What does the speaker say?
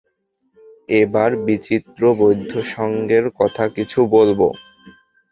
এবার বিচিত্র বৌদ্ধসঙ্ঘের কথা কিছু বলব।